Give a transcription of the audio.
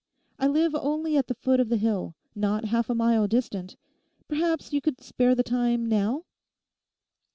I live only at the foot of the hill, not half a mile distant. Perhaps you could spare the time now?